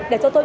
để cho tôi